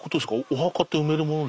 お墓って埋めるもの。